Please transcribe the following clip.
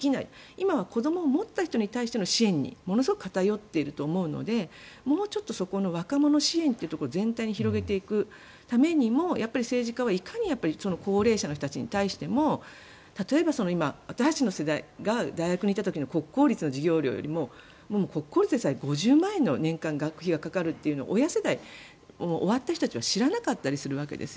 今は子どもを持った人の支援にものすごく偏っていると思うのでもうちょっとそこの若者支援を全体に広めていくためにも政治家はいかに高齢者の人たちに対しても例えば私たちの世代が大学にいた時の国公立の授業料よりも国公立でさえ、年間５０万円の学費がかかるというのを親世代が終わった人たちは知らなかったりするわけです。